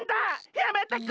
やめてくれ！